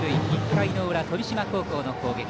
１回の裏、富島高校の攻撃。